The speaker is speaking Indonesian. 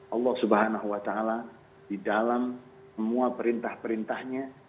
allah subhanahu wa ta'ala di dalam semua perintah perintahnya